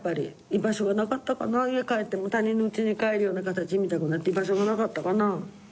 やっぱり家帰っても他人のうちに帰るような形みたくなって居場所がなかったかな。